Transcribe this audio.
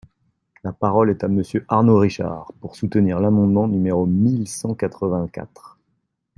La parole est à Monsieur Arnaud Richard, pour soutenir l’amendement numéro mille cent quatre-vingt-quatre.